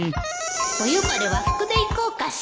お呼ばれ和服で行こうかしら